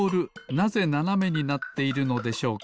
なぜななめになっているのでしょうか？